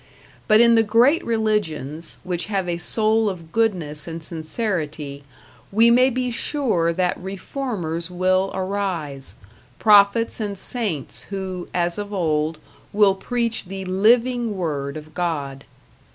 But in the great religions, which have a soul of goodness and sincerity, we may be sure that reformers will arise, prophets and saints who, as of old, will preach the living word of God.